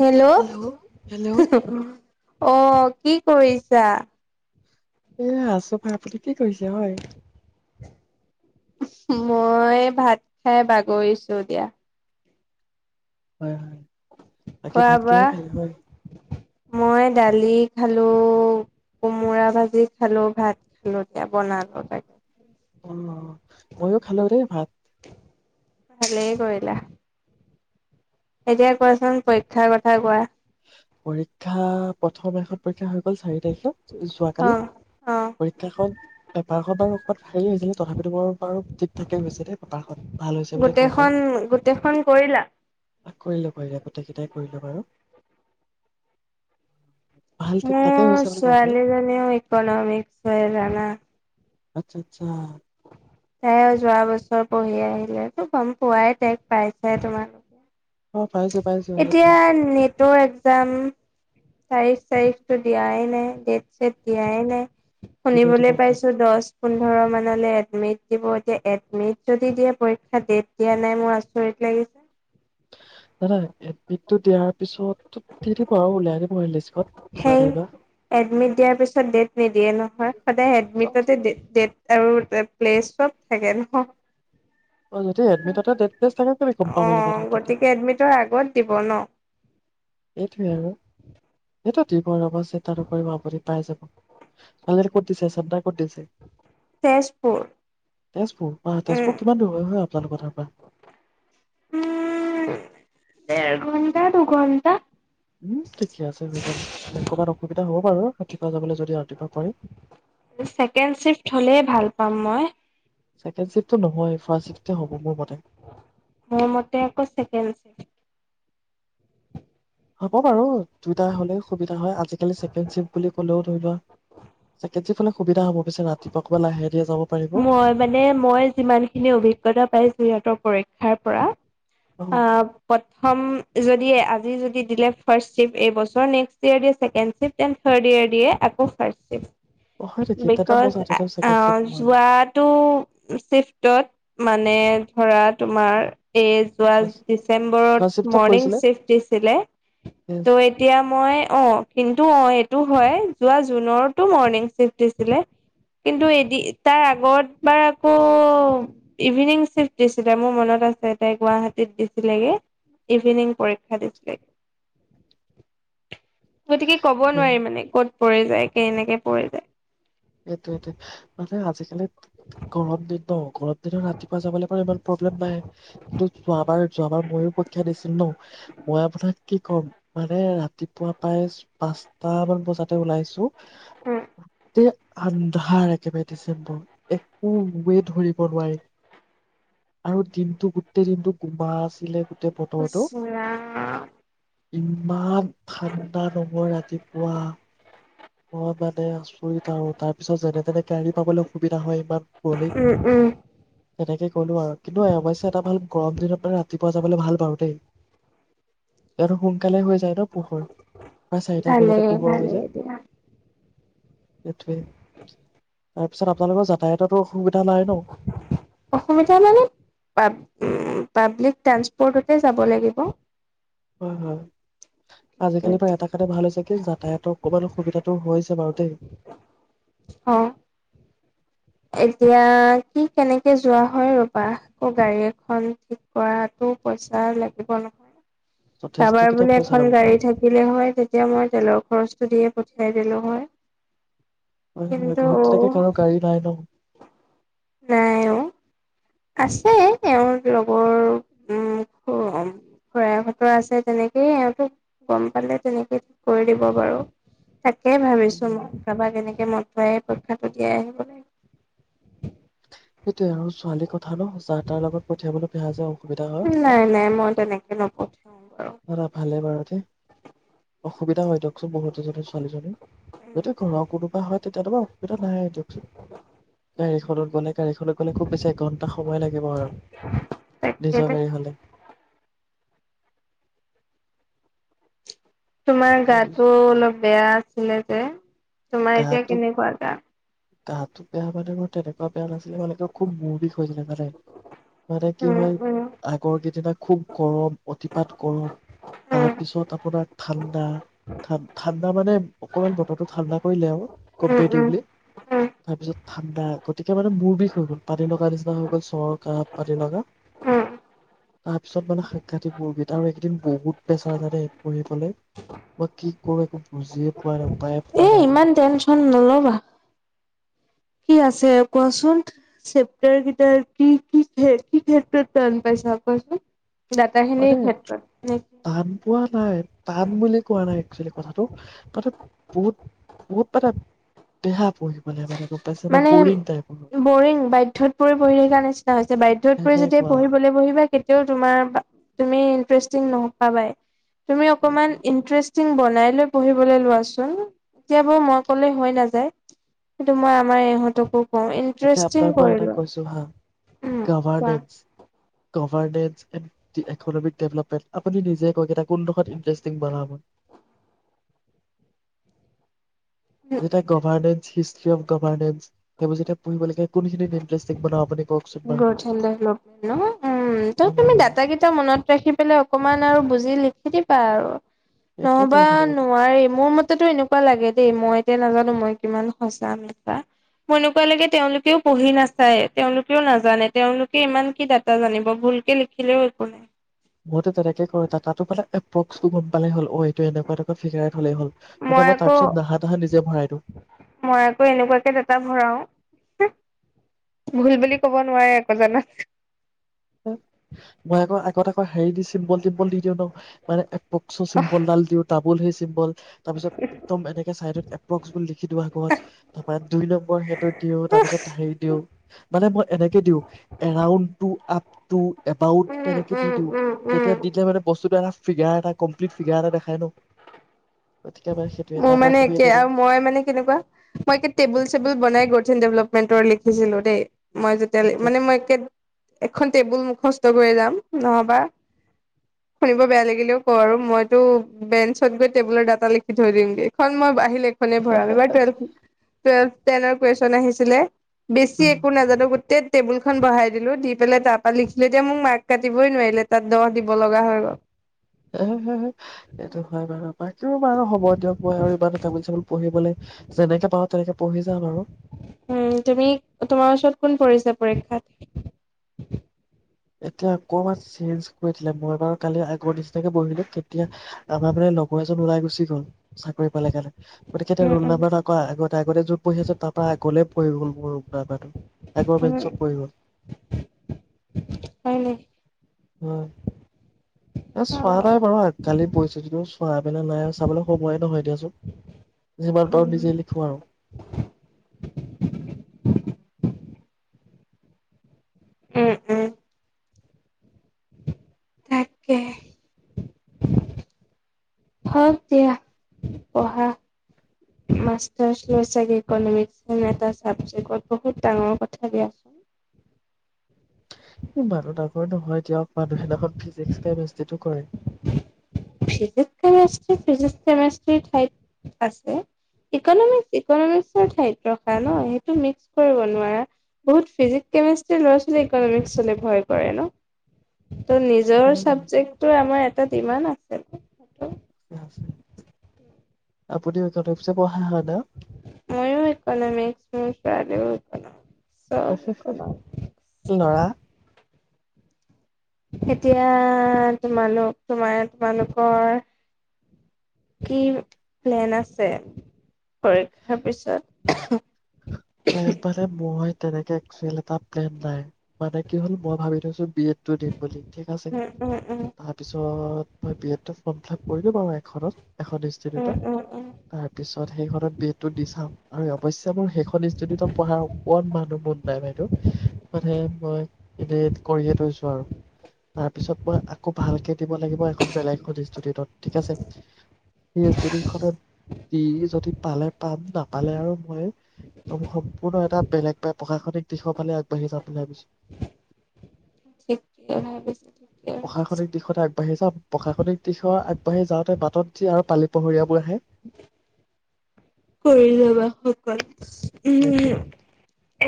Hello. অ', কি কৰিছা? এ আছো ভাই, আপুনি কি কৰিছে হয়? মই ভাত খাই বাগৰিছো দিয়া। হয়, হয়। বাকী খোৱা ভাত বোৱা? কিহে খালে হয়? মই দালি খালো, কোমোৰা ভাজি খালো ভাত খালো দতিয়া বনালো তাগে। অ'। ময়ো খালোদে ভাত। কয়লা এতিয়া কোৱাচোন পৰীক্ষাৰ কথা কোৱা। পৰীক্ষা প্ৰথম এখন পৰীক্ষা হৈ গ'ল চাৰি তাৰিখে অ যোৱাকালি অ পৰীক্ষাখন পেপাৰখন বাৰু অবাত হেৰি হৈছিলে তথাপিতো বৰ বাৰু ঠিক ঠাকেই গৈছিলে পেপাৰখন ভাল হৈছে বুলি ক'ব গোটেইখন পাৰি। গোটেইখন কৰিলা? কৰিলোঁ কৰিলোঁ গোটেইকেইটাই কৰিলোঁ বাৰু। ভাল ঠিক ঠাকে হৈছে মোৰ বুলি ক'ব পাৰি ছোৱালীজনাও ইকনমিক হয় জানা। আচ্ছা, আচ্ছা। তাই যোৱা বছৰ পঢ়ি আহিলে তো গম পোৱাই তেক পাইছে তোমালোক অ পাইছো পাইছো সেইটোৱে এতিয়া নেটৰ এক্জাম তাৰিখ চাৰিখতো দিয়াই নাই ডেট তেতিয়াই নাই দিব দিব শুনিবলৈ নাই পাইছো দহ পোন্ধ ৰ মানলে এডমিট দিব সেই এডমিট যদি দিয়ে পৰীক্ষাৰ ডেট দিয়া নাই মোৰ আচৰিত নানা এডমিটটো দিয়াৰ পিছতো দেৰিব আৰু উলিয়াই অহ সেই এডমিট দিয়াৰ পিছত ডেট নিদিয়ে নহয় সদায় অ', এডমিটতে ড আৰু প্লে চব থাকে নহ। যদি এডমিটতে ডেট প্লেচ থাকে কেলে গম পাব অ', লাগে ন তাতে গতিকে এডমিটৰ আগত দিব ন'। এইটোৱে আৰু সেইটো দিব ৰ'বা চিন্তা নকৰিব আপুনি পাই যাব ছোৱালী ক'ত দিছে চানা ক'ত দিছে। তেজপুৰ তেজপুৰ অহ, তেজপুৰ উম কিমান দূৰ হয় হয় আপোনালোকৰ তাৰ পৰা? এঘন্টা দুঘণ্টা উম ঠিকে আছে লৈ যাব অকমান অসুবিধা হ'ব বাৰু। ৰাতিপুৱা যাবলৈ যদি ৰাতিপুৱা পাৰি ছেকেণ্ড চিফ্ট হ'লেই ভাল পাম মই। ছেকেণ্ড চিফ্টটো নহয়। ফাৰ্ষ্ট চিফটে হ'ব মোৰ মতে মোৰ মতে আকৌ ছেকেণ্ড হ'ব বাৰু। দুটা হ'লেই সুবিধা হয় আজিকালি ছেকেণ্ড চিফ্ট বুলি ক'লেও ধৰি লোৱা ছেকেণ্ড চিফ্ট সুবিধা হ'ব পিছে ৰাতিপুৱা আকৌ লাহে ধীৰে যাব পাৰিব অ', মই মানে মই যিমান খিনি অভিজ্ঞতা পাইছো সিহঁতৰ পৰীক্ষাৰ পৰা অহ প্ৰথম যদি দিয়ে আজি যদি দিলে ফাৰ্ষ্ট চিফ্ট এইবছৰ নেক্সট ইয়েৰ দেয়ে second shift N third year দিয়ে আকৌ ফাৰ্ষ্ট চিফ্ট। অহ হয় নেকি তেতিয়া ছেকেণ্ডত চিফ যোৱাটো চিফটত মানে ধৰা তোমাৰ এহ যোৱা ফাৰ্ষ্ট ডিচেম্বৰত ফাৰ্ষ্ট চিফ্টত মৰ্ণিং পৰিছিলে চিফ্ট দিছিলে সেই- ত'অ এতিয়া মই অহ কিন্তু অহ হয় যোৱা জুনৰতো মৰ্ণিং চিফট দিছিলে কিন্তু এদিন তাৰ আগত বাৰ আকৌ ইভিনিং চিফ্ট দিছিলে মোৰ মনত আছে তাই গুৱাহাটীত দিছিলেগে ইভিনিং পৰীক্ষা দিছিলেগে। গতিকে ক'ব নোৱাৰি মানে ক'ত পৰি যায় কেনেকে পৰি যায়। এইটোৱেটো মানে আজিকালি গৰম দিন নহ গৰম ৰাতিপুৱা যাবলৈ বাৰু ইমান প্ৰব্লেম নাই কিন্তু যোৱাবাৰ যোৱাবাৰ ময়ো পৰীক্ষা দিছিলো নহ মই আপোনাক কি ক'ম মানে ৰাতিপুৱা প্ৰায় পাঁচটা মান বজাতে ওলাইছো উম তে আন্ধাৰ একেবাৰে ডিচেম্বৰ একোৱেই ধৰিব নোৱাৰি আৰু দিনটো‌ আৰু দিনটো গোটেই দিনটো কোবা আছিলে গোটেই ইছ বতৰটো। ৰাম উম ইমান ঠাণ্ডা নহয় ৰাতিপুৱা অহ বাত তাকেহে আচৰিত আৰু তাৰ পিছত যেনে তেনে গাড়ী পাবলৈ সুবিধা হয় ইমান কুঁৱলিত। উম, উম, তেনেকে ক'লো আৰু কিন্তু অৱশ্যে এটা ভাল গৰম দিনত মানে ৰাতিপুৱা যাবলৈ ভাল বাৰু দেই। এইটো সোনকালে হৈ চাৰিটা পোহৰ প্ৰায় চাৰিটা বজাতে ভালেই পোহৰ হৈ ভালেই যায়। দিয়া। সেইটোৱেই তাৰপিছত আপোনালোকৰ যাতায়ততো অসুবিধা নাই ন'। অসুবিধা মানে পাব পাব্লিক ট্ৰানসপৰ্টতে যাব লাগিব। হয়, হয় আজিকালি পৰা এটা কথা ভাল হৈছে কি যাতায়াতৰ অকমান অসুবিধাতটো বাৰু দেই। অ' এতিয়া কি কেনেকে যোৱা হয় ৰ'বা আকৌ গাড়ী এখন ঠিক কৰাতো পইচা লাগিব নহয়। যথেষ্ট কাৰবাৰ কেইটা বোলে পইচা এখন ল'ব পাৰ গাড়ী থাকিলে হয় তেতিয়া মই তেলৰ খৰচ যিয়ে পঠিয়াই দিলোঁ হয়। হয় কিন্তু ঘৰততে থাকে কাৰো গাড়ী নাই ন'। নাই অ'। আছে এওঁৰ লগৰ উম, খয় ঘত আছে তেনেকেই এওঁতোক গম পালে তেনেকেই ঠ কৰি দিব বাৰু। তাকে ভাবিছো মই কাৰোবাক কেনেকে মন য় পৰীক্ষাটো দিয়াই আহিবনে। সেইটোযৱে আৰু ছোৱালী ক কথা ন' যাৰ তাৰ লগত পঠিয়াবলৈ বেয়া যেয়া অসুবিধা হয়। নাই নাই মই তেনেকে নপঠিয়াও বাৰু দাদা ভালে বাৰু দেই অসুবিধা হয় দিয়কচোন বহত এজনী ছোৱালীজনীৰ। যদি ঘৰৰ কোনোবা হয় তেতিয়াতো বাৰ অসুবিধা নাই দিয়কচোন গাড়ীখনত গলে গাড়ীখনত গলে খুব বেছি এঘন্টা সময় লাগিব আৰু তাকে নিজৰ তাকে গাড়ী হ'লে। তোমাৰ তাৰপিছত গাটো অলপ বেয়া আছিলে যে। তোমাৰ এতিয়া কেনেকুৱা যায়? কাঁহটো বেয়া মানে তেনেকুৱা বেয়া নাছিলে ভালাগে খুব মূৰ বিষ হৈছিলে মানে মানে কি উম, হয় উম, আগৰকেইদিনা খুব গৰম অতিপাত গৰম উম, তাৰ পিছত আপোনাৰ ঠাণ্ডা ঠান ৰ মানেকমান বতৰটো ঠাণ্ডা কইলেও উম, উম, ক'মপেৰেটেভলি উম, তাৰপিছত ঠাণ্ডা গতিকে, মানে মোৰ বিষ হৈ গ'ল পানী লগা নিচিনা হৈ গ'ল চৰ কাহ পানী লগা। অ' তাৰ পিছত মানে সাক্ষাৎ এই মোৰ কিতা আৰু এইকেইদিন বহুত প্ৰেছাৰ জানে পঢ়িবলৈ, মই কি কৰো একো বুজিয়ে পোৱা, নাই উপায়ে পোৱা এ নাই। ইমান টেনচন নল'বা। কি আছে কোৱাচোন? চেপ্তাৰ কেইটাৰ কি, কি ক্ষেত্ৰত তান পাইছা কোৱাচোন। মানে ডাটাখিনিৰ ক্ষেত্ৰত নে কি? টান পোৱা নাই, টান বুলি কোৱা নাই একচেল কথাটো মানে বহুত বহুত পৰা বিহ মানে বৰিং, বাধ্যয়ত পৰি পঢ়ি থকা নিচিনা হৈছে, বাধ্যয়ত পৰি যেতিয়া সেনেকুৱা পঢ়িবলে বহিবা কেতিয়াও তোমাৰ, তুমি ইন্টাৰেষ্টিং নপাবাই। তুমি অকমান ই বনাই লৈ পঢ়িবলৈ লোৱাচোন এতিয়াাবাৰ মই কলে হৈ নাযায় সেইটো মই আমাৰ ইহঁতক ক এতিয়া ইণ্টাৰেষ্টিং আপোনাক মই এটা কৰিলো কৈছো হা উম কোৱা ভভপেট আপুনি নিে ককেই কোনডোখৰতং বনাব যেতিয়া গভাৰনেেণ্ট হিষ্ট্ৰ অফ গভাৰনেন্স সেইবোৰ যেতিয়া পঢ়িব লাগে কোনখিনিত ইণ্টাৰেষ্টিং বনাও আপুনি কওকচোন ন বাৰু মোক উম ত অ তুমি দাতাকেইটা মনত ৰাখি পেলাই অকনমান আৰু বুজি লি সেতি পাই আৰু সেইটোৱে নহবা কৰিব লাগিব নোৱাৰি মোৰ মতেতো এনেকুৱা লাগে দেই মই নাজানো মই কিমান সচা এা মোৰ এনেকুৱা লৈকে তেওঁলোকেও পঢ়ি নাচায় তেওঁলোকেও নাজানে তেওঁলোকে ইমান কি ডাটা জানিব ভুলকে লিখিলেও একো নাই মইো তেনেকে কৰো তাতো মানে এ্ৰ্টো গম পালে হ'ল অ এইটো এনেকুৱা এনেুৱ ফিগাৰ থলেই হ'ল মানে মই আকৌ তাৰপিছত নাহা নাহা নিজে ভৰাই দিওঁ মই আকৌ এনেকুৱাকে ডটা ভৰাও ভুল বুলি ক'ব নোৱাৰেি একো জত মই আকৌ আগত আকৌ হেৰি দি চিম্বল টিম্বল দি দিওঁ ন মানে পক্স চিম্পল ডাল দিওঁ ত বুল হৈেইছিলিম্বল তাৰপিছত একদম এক চ লিখি দিওঁ আগত ত দুই নম্বৰ সেইটো দিওঁ তাৰপিছত হে দিওঁ মানে মই এনেকে দিও এৰা ট ত এবউত উম তেনেকে দি উম দিওঁ উম উম তেতিয়া দি দিলে মানে বস্তুটো এটা ফিগাৰ এটা কমপ্লিট ফিগাৰ এটা দেখাই ন গতিকে মানে সেইটোৱে মোৰ তাৰপৰা মানে তুমি একে এতিয়া আৰু মই মানে কেনেকুৱা মই একে টেবুল চেবুল বনাই গৈমলপ পেণ্টৰ লিখিছিলো দেই মই যেতিয়াল আচ্ছা মানে মই আচ্ছা কে এখন টেবুল মুখস্থ কৰি যাম নহবা শুনিব বেয়া লাগিলেও কওঁ আৰু মইতো বেঞ্চত গৈ টেবুলৰ দ লিখি থৈ দিমে এইখন মই লেখনে ভ বা টেনৰ কুৱেশ্যন আহিছিলে বেছি একো নাজানো গোটেই টেবুল খখন বঢ়াই দিলো দি পেলাই তাৰ পৰাা লিখিলো এতিয়া মোক মাক্ক কাটিবই নোৱাৰিলে তাত দ দিব লগা হৈ গ'ল এইটো হয় বাৰ বাকী বাৰ হ'ব দিয়ক মই আৰু এইবাৰ টেবুল চেবুল পঢ়িবলৈ যেনেকে পাওঁ তেনেকে পঢ়ি যাম আৰু উ তুমি তোমাৰ ওচৰত কোন পৰিছা পৰীক্ষাত এতিয়া অকমান চেঞ্জ কৰি দিলে মই বাৰু কালি আগৰ নিচিনাকে বহিলো তেতিয়া আমাৰ মানে লগৰ এজন ওলাই গুচি গল চাকৰি পালে কাৰণে গতিকে এতিয়া উম ৰুল উম নাম্বাৰ আকৌ আগতে আগতে যত পৰিছিল, তাৰ পৰা আগলে পৰি গ'ল মোৰ ৰল নাম্বাৰটো আগৰ উম বেঞ্চত পৰি গল। হয়াই ন! উ অ উম [unintelligible] ওম ওম তাকে হক দিয়া পঢ়া মাষ্টাৰ্চ লৈ চাগে ইকনমিক্স এন এটা চাবজেক্টত বহুত ডাঙৰ কথা দিয়াচোন। মানুহ ডাঙৰ নহয় দিয়ক মানুহেইদিনাখন ফিজিক্স কেমেষ্ট্ৰিটো কৰে। ফিজিক ফিষ্ট ঠ আসৰ ঠাইত ৰখা ন সেইটো মিক্স কৰিব নোৱাৰা বহুত ফিজিকষ্ট ল'ৰা ছালী ইকনিক্স ভয় কৰে ন। ত' নিজৰ হয় বাৰু ছাবজেক্ট। আমাৰ এটা দিবা না। [unintelligible] [unintelligible] আপুনিও ইকনমিকচে পঢ়া হয়, ন? মইয়ো ইকনমিচ, মোৰ ছোৱালীয়ো ইকনমি ল'ৰা? এতিয়া তোমালোক, তোমাৰ-তোমালোকৰ কি প্লেন আছে পৰীক্ষাৰ পিছত? প্লেন মানে মই তেনেকে এক্সেল এটা প্লেন নাই, মানে কি হ'ল, মই ভাবি থৈছো বি এডটো দিম বুলি ঠিক আছে, উম, উম, উম, তাৰপিছত মই বি এডটো ফৰ্ম ফিলাপ কৰিলো বাৰু এখনত, এখন উম, ইনষ্টিটিউটত উম, উম। তাৰপিছত সেইখনত বি এডটো দি চাওঁ। আৰু অৱশ্যে মোৰ সেইখন পঢ়াৰ অকমানো মন নাই বাইদেউ মানে মই এনে কৰিয়ে থৈছো আৰু তাৰ পিছত মই আকৌ ভালকে দিব লাগিব এখন বেলেগ ইনষ্টিটিউটত ঠিক আছে সেই ইনষ্টিটিউটত দি যদি পালে পাম নাপালে আৰু মই ত সম্পূৰ্ণ এটা বেলেগ বা প্ৰশাসনিক দিশৰ ফালে আগবাঢ়ি যাম বুলি ভাবিছোঁ। ঠিকে ভাবিছা, ঠিকে ভাবিছা, প্ৰশাসনিক দিশতে আগবাঢ়ি যাম, প্ৰশাসনিক দিশত আগ আগবাঢ়ি যাওঁতে বাটত যি আৰু পালি পহৰীয়াবোৰ আহে [unintelligible] সেইটোৱে উম।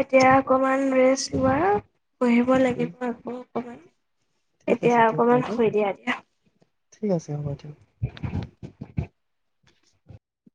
এতিয়া অকমান ৰেষ্ট লোৱা পঢ়িব লাগিব আকৌ। [unintelligible] ঠিক এতিয়া আছে দিয়ক‌ অকমান বাইদেউ, শুই দিয়া দিয়া। ঠিক আছে হ'ব দিয়ক।